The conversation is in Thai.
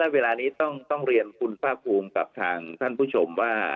เวลานี้ต้องเรียนคุณภาคภูมิกับทางท่านผู้ชมว่า